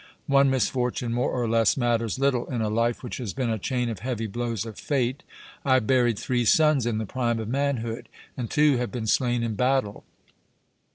One misfortune more or less matters little in a life which has been a chain of heavy blows of Fate. I buried three sons in the prime of manhood, and two have been slain in battle.